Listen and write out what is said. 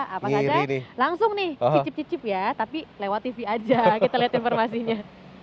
apa saja langsung nih cicip cicip ya tapi lewat tv aja kita lihat informasinya